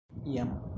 iam